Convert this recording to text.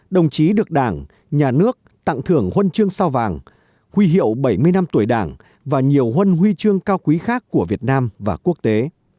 đồng chí được đảng nhà nước tặng thưởng huân chương sao vàng huy hiệu bảy mươi năm tuổi đảng và nhiều huân huy chương cao quý khác của việt nam và quốc tế